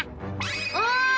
おい！